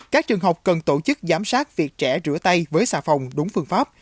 các trường học cần tổ chức giám sát việc trẻ rửa tay với xà phòng đúng phương pháp